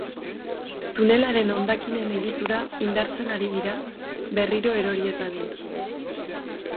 Tunelaren hondakinen egitura indartzen ari dira, berriro erori ez dadin.